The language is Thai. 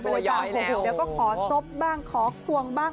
กูแบบก็ขอซ์บบ้างขอควงบ้าง